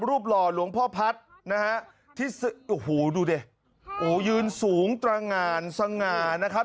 รูปหล่อห์ห์ลวงพ่อพัฒน์นะฮะที่หูดูได้โหยืนสูงตระง่านสง่านะครับ